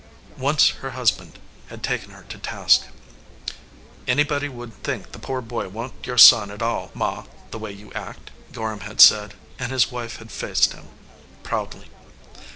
Once her husband had taken her to task. "Anybody would think the poor boy wa n t your son at all, Ma, the way you act," Gorham had said, and his wife had faced him proudly.